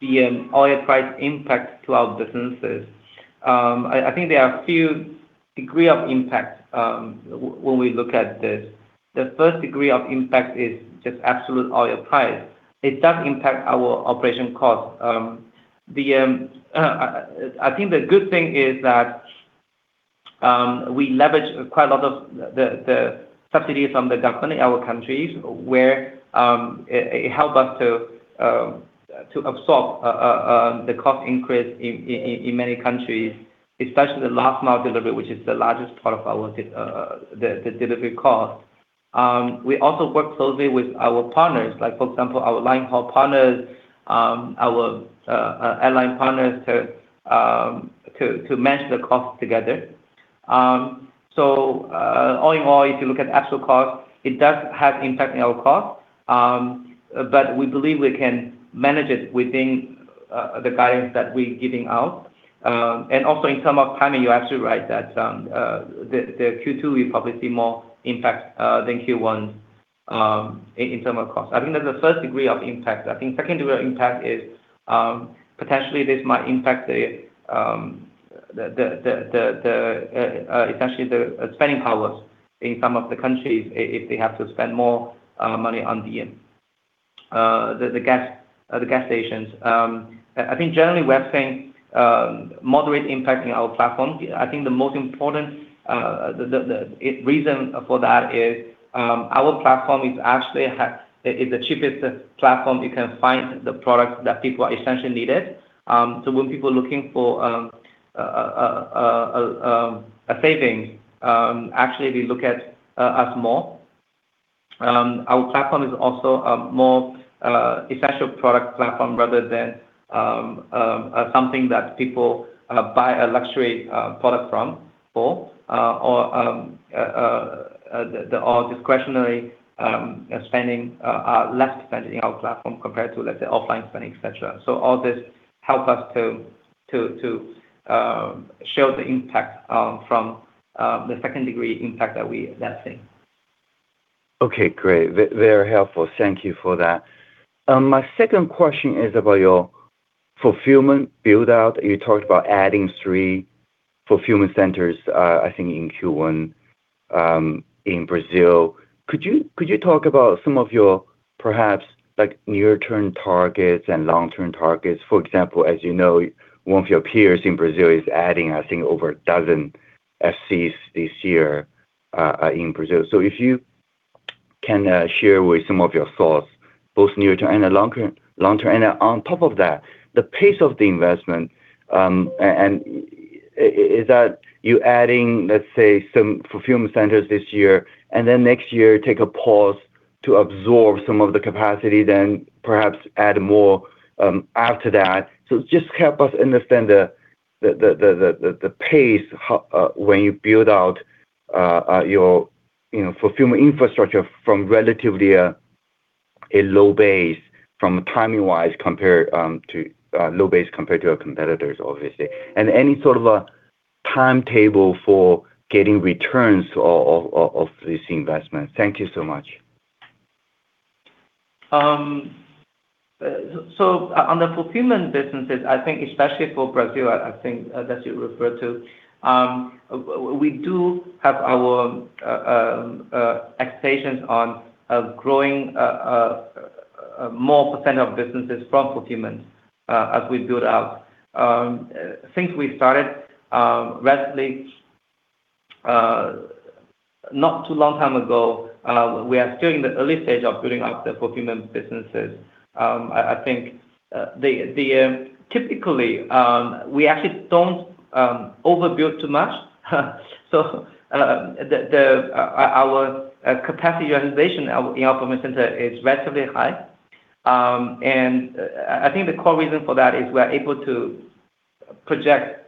the oil price impact to our businesses. I think there are a few degrees of impact when we look at this. The first degree of impact is just absolute oil price. It does impact our operation costs. The good thing is that we leverage quite a lot of the subsidies from the government, our countries, where it helps us to absorb the cost increase in many countries, especially the last mile delivery, which is the largest part of our the delivery cost. We also work closely with our partners, like for example, our line haul partners, our airline partners to manage the costs together. All in all, if you look at actual costs, it does have impact in our costs. We believe we can manage it within the guidance that we're giving out. Also in term of timing, you're absolutely right that Q2 we probably see more impact than Q1 in term of costs. I think that's the first degree of impact. I think second degree impact is potentially this might impact the essentially the spending powers in some of the countries if they have to spend more money on the gas stations. I think generally we are seeing moderate impact in our platform. I think the most important reason for that is our platform is actually the cheapest platform you can find the products that people essentially needed. So when people looking for a saving, actually they look at us more. Our platform is also a more essential product platform rather than something that people buy a luxury product from for. Or discretionary spending, less spending in our platform compared to, let's say, offline spending, et cetera. All this help us to shield the impact from the second degree impact that we, that's seeing. Okay, great. Very helpful. Thank you for that. My second question is about your fulfillment build-out. You talked about adding three fulfillment centers, I think in Q1, in Brazil. Could you talk about some of your perhaps like near-term targets and long-term targets? For example, as you know, one of your peers in Brazil is adding, I think, over a dozen FCs this year, in Brazil. If you can share with some of your thoughts, both near term and the long term. On top of that, the pace of the investment, and is that you adding, let's say, some fulfillment centers this year, and then next year take a pause to absorb some of the capacity, then perhaps add more after that. Just help us understand the pace when you build out your, you know, fulfillment infrastructure from relatively a low base from timing-wise compared to your competitors, obviously. Any sort of a timetable for getting returns of this investment. Thank you so much. On the fulfillment businesses, I think especially for Brazil, I think that you referred to, we do have our expectations on growing more percent of businesses from fulfillment as we build out. Since we started relatively not too long time ago, we are still in the early stage of building out the fulfillment businesses. I think the typically we actually don't overbuild too much. The our capacity utilization in our fulfillment center is relatively high. And I think the core reason for that is we are able to project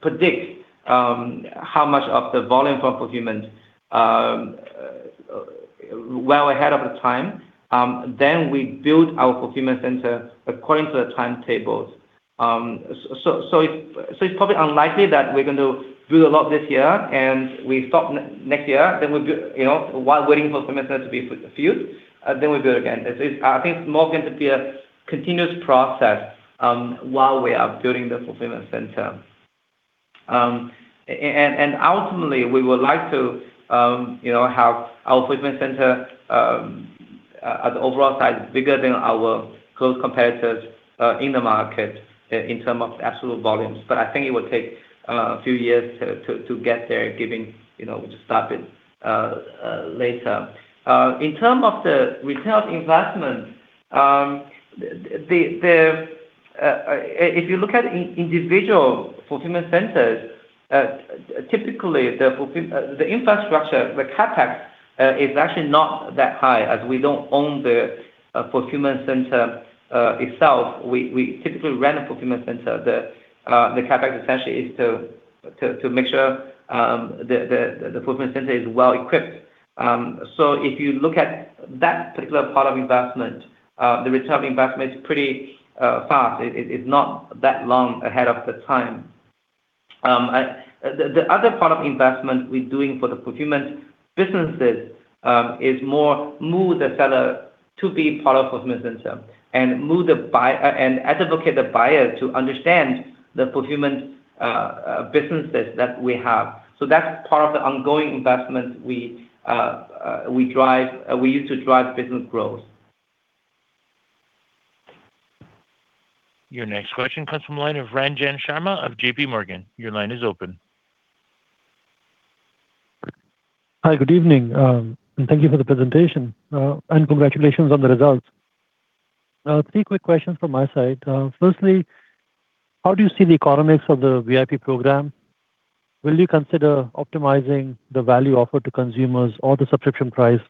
predict how much of the volume for fulfillment well ahead of the time. We build our fulfillment center according to the timetables. It's probably unlikely that we're going to do a lot this year and we stop next year, we build, you know, while waiting for fulfillment center to be fulfilled, we build again. This is I think it's more going to be a continuous process while we are building the fulfillment center. Ultimately, we would like to, you know, have our fulfillment center at the overall size bigger than our close competitors in the market in term of absolute volumes. I think it would take a few years to get there, given, you know, we just started later. In terms of the retail investment, if you look at individual fulfillment centers, typically the infrastructure, the CapEx, is actually not that high as we don't own the fulfillment center itself. We typically rent a fulfillment center. The CapEx essentially is to make sure the fulfillment center is well-equipped. If you look at that particular part of investment, the return of investment is pretty fast. It's not that long ahead of the time. The other part of investment we're doing for the fulfillment businesses is more move the seller to be part of fulfillment center and educate the buyer to understand the fulfillment businesses that we have. That's part of the ongoing investment we use to drive business growth. Your next question comes from line of Ranjan Sharma of JPMorgan. Your line is open. Hi, good evening. Thank you for the presentation. Congratulations on the results. Three quick questions from my side. Firstly, how do you see the economics of the VIP program? Will you consider optimizing the value offered to consumers or the subscription price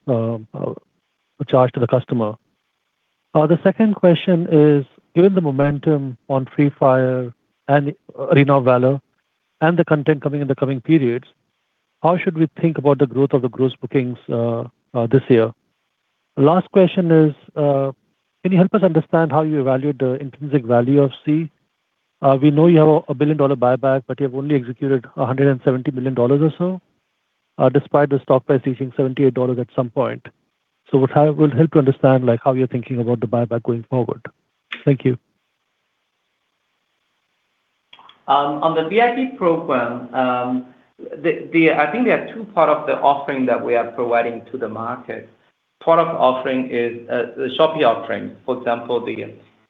charged to the customer? The second question is, given the momentum on Free Fire and Arena of Valor and the content coming in the coming periods, how should we think about the growth of the gross bookings this year? Last question is, can you help us understand how you evaluate the intrinsic value of Sea? We know you have a billion-dollar buyback, but you have only executed $170 million or so, despite the stock price reaching $78 at some point. What I will help to understand, like how you're thinking about the buyback going forward. Thank you. On the VIP program, I think there are two part of the offering that we are providing to the market. Part of offering is the Shopee offering. For example,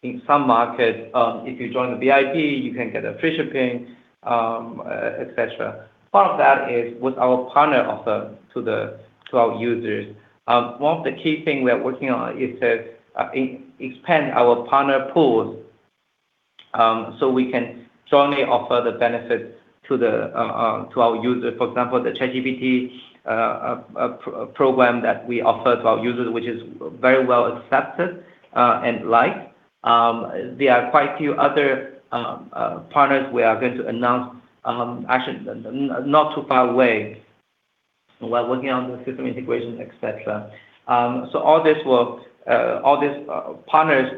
in some market, if you join the VIP, you can get a free shipping, et cetera. Part of that is with our partner offer to our users. One of the key thing we are working on is to expand our partner pool, so we can strongly offer the benefits to our user. For example, ChatGPT program that we offer to our users, which is very well accepted and liked. There are quite a few other partners we are going to announce, actually not too far away. We're working on the system integration, et cetera. All this work, all these partners'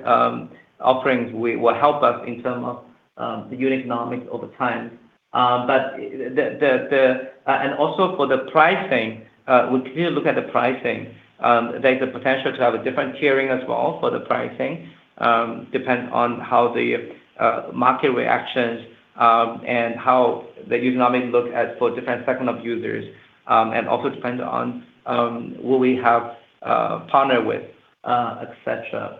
offerings will help us the unit economics over time. And also for the pricing, we clearly look at the pricing. There's a potential to have a different tiering as well for the pricing, depend on how the market reactions, and how the unit economics look at for different segment of users. And also depend on who we have partner with, et cetera.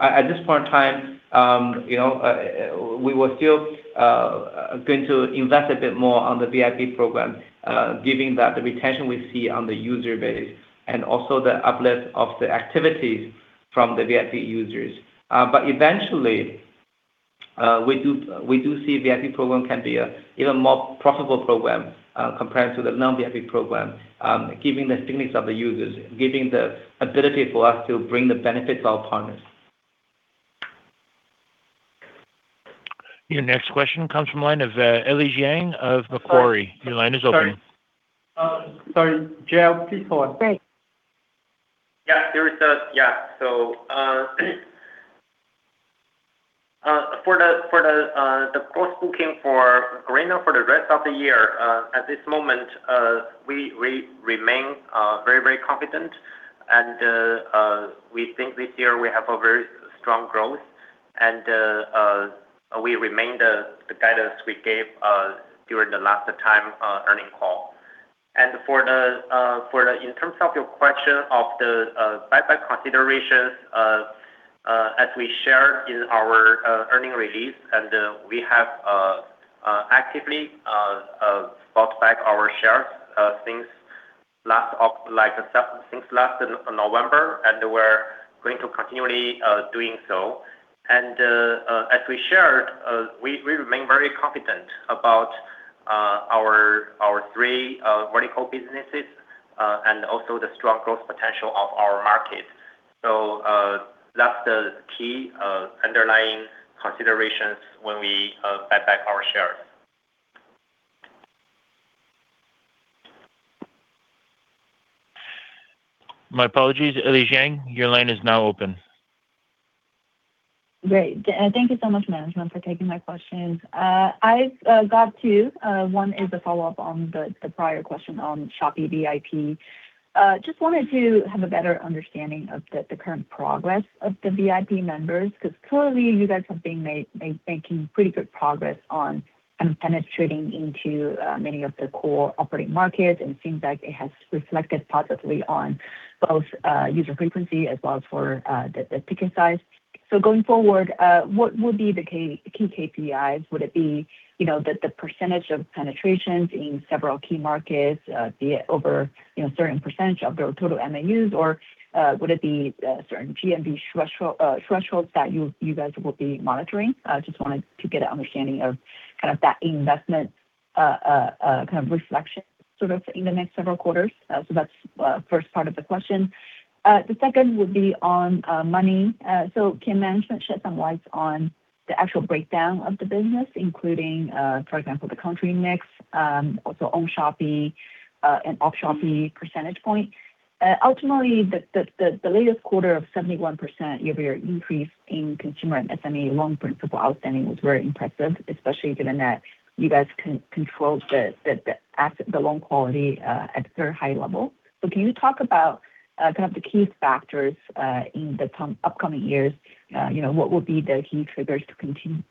At this point in time, you know, we will still going to invest a bit more on the VIP program, giving that the retention we see on the user base and also the uplift of the activities from the VIP users. Eventually, we do see Shopee VIP program can be a even more profitable program, compared to the non-VIP program, giving the strengths of the users, giving the ability for us to bring the benefits to our partners. Your next question comes from line of Ellie Jiang of Macquarie. Your line is open. Sorry, Gerald, please hold. Great. Yeah. For the gross booking for Garena for the rest of the year, at this moment, we remain very, very confident and we think this year we have a very strong growth and we remain the guidance we gave during the last time earnings call. In terms of your question of the buyback considerations, as we shared in our earnings release, we have actively bought back our shares since last November, and we're going to continually doing so. As we shared, we remain very confident about our three vertical businesses and also the strong growth potential of our market. That's the key underlying considerations when we buy back our shares. My apologies. Ellie Jiang, your line is now open. Great. Thank you so much, management, for taking my questions. I've got two. One is a follow-up on the prior question on Shopee VIP. I just wanted to have a better understanding of the current progress of the VIP members, because clearly you guys have been making pretty good progress on penetrating into many of the core operating markets, and it seems like it has reflected positively on both user frequency as well as for the ticket size. Going forward, what would be the key KPIs? Would it be the percentage of penetrations in several key markets, be it over certain percentage of the total MAUs? Would it be certain GMV thresholds that you guys will be monitoring? I just wanted to get an understanding of kind of that investment, kind of reflection, sort of in the next several quarters. That's first part of the question. The second would be on Monee. Can management shed some light on the actual breakdown of the business, including, for example, the country mix, also on-Shopee and off-Shopee percentage point? Ultimately, the latest quarter of 71% year-over-year increase in consumer and SME loan principal outstanding was very impressive, especially given that you guys control the asset, the loan quality at very high level. Can you talk about kind of the key factors in the upcoming years? You know, what will be the key triggers to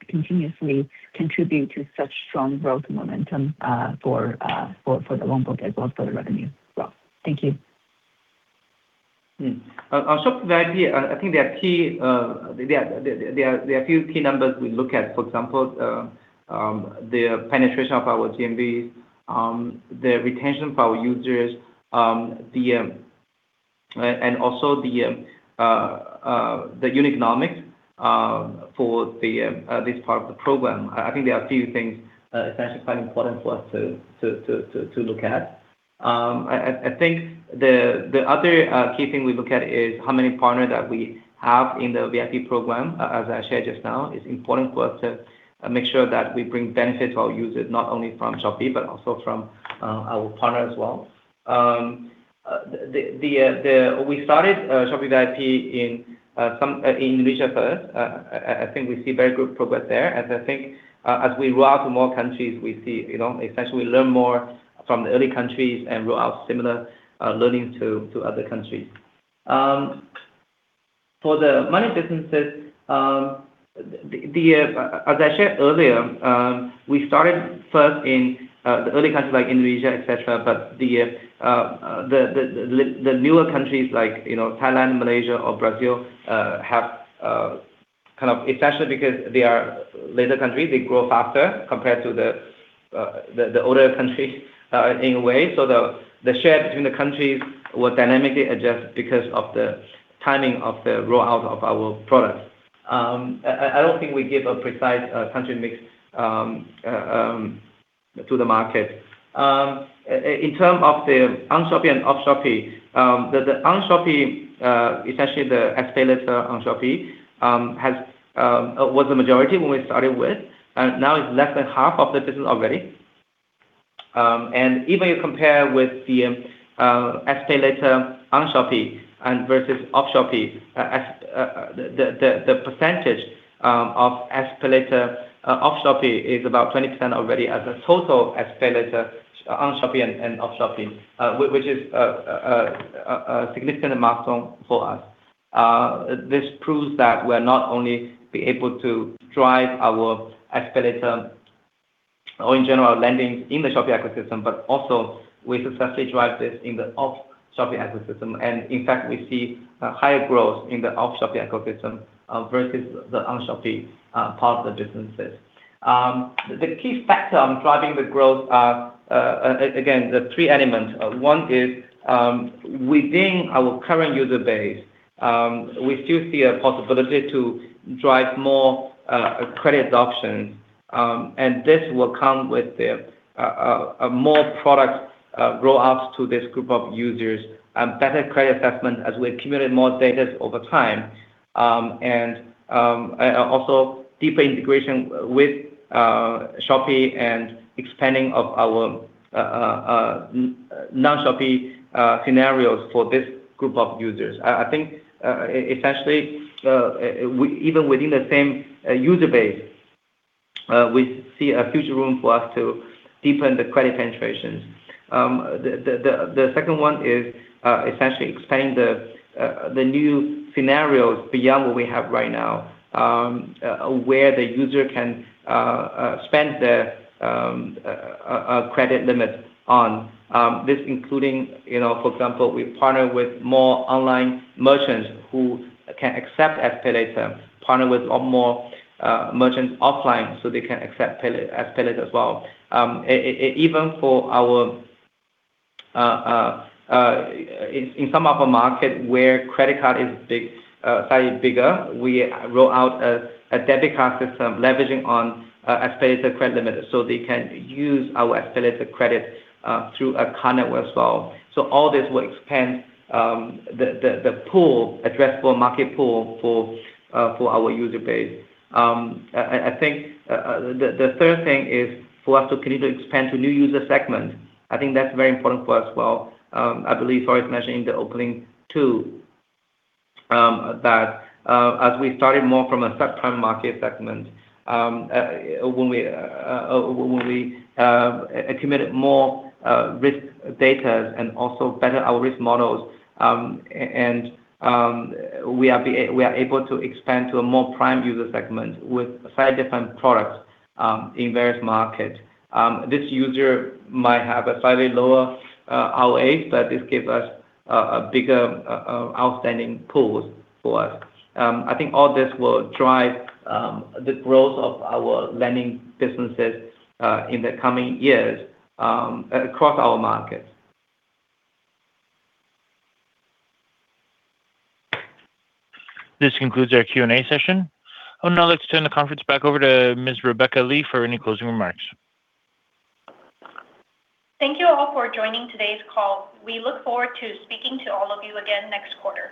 continuously contribute to such strong growth momentum for the loan book as well as for the revenue as well? Thank you. On Shopee VIP, I think there are a few key numbers we look at. For example, the penetration of our GMV, the retention of our users, and also the unit economics for this part of the program. I think there are a few things essentially quite important for us to look at. I think the other key thing we look at is how many partners that we have in the VIP program, as I shared just now. It's important for us to make sure that we bring benefits to our users, not only from Shopee, but also from our partners as well. We started Shopee VIP in some in Indonesia first. I think we see very good progress there. I think, as we roll out to more countries, we see, you know, essentially we learn more from the early countries and roll out similar learnings to other countries. For the Monee businesses, as I shared earlier, we started first in the early countries like Indonesia, et cetera. The newer countries like, you know, Thailand, Malaysia, or Brazil, have kind of essentially because they are later countries, they grow faster compared to the older countries in a way. The share between the countries will dynamically adjust because of the timing of the rollout of our products. I don't think we give a precise country mix to the market. In term of the on-Shopee and off-Shopee, the on-Shopee, essentially the SPayLater on-Shopee, has was the majority when we started with, and now it's less than half of the business already. And even you compare with the SPayLater on-Shopee and versus off-Shopee, the percentage of SPayLater off-Shopee is about 20% already as a total SPayLater on-Shopee and off-Shopee. Which is a significant milestone for us. This proves that we're not only be able to drive our SPayLater or in general, lending in the Shopee ecosystem, but also we successfully drive this in the off-Shopee ecosystem. In fact, we see a higher growth in the off-Shopee ecosystem versus the on-Shopee part of the businesses. The key factor on driving the growth again, the three elements. One is, within our current user base, we still see a possibility to drive more credit options. This will come with a more product rollouts to this group of users and better credit assessment as we accumulate more datas over time. Also deeper integration with Shopee and expanding of our non-Shopee scenarios for this group of users. I think essentially even within the same user base, we see a future room for us to deepen the credit penetrations. The second one is essentially expanding the new scenarios beyond what we have right now, where the user can spend their credit limit on. This including, you know, for example, we partner with more online merchants who can accept SPayLater, partner with or more merchants offline so they can accept SPayLater as well. Even for our in some other market where credit card is big, slightly bigger, we roll out a debit card system leveraging on SPayLater credit limit, so they can use our SPayLater credit through a card network as well. All this will expand the pool, addressable market pool for our user base. I think the third thing is for us to continue to expand to new user segment. I think that's very important for us as well. I believe Forrest mentioned in the opening too that as we started more from a sub-prime market segment, when we accumulated more risk data and also better our risk models, and we are able to expand to a more prime user segment with five different products in various market. This user might have a slightly lower ROA, but this gives us a bigger outstanding pool for us. I think all this will drive the growth of our lending businesses in the coming years across our markets. This concludes our Q&A session. Let's turn the conference back over to Ms. Rebecca Lee for any closing remarks. Thank you all for joining today's call. We look forward to speaking to all of you again next quarter.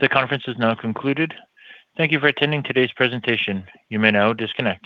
The conference is now concluded. Thank you for attending today's presentation. You may now disconnect.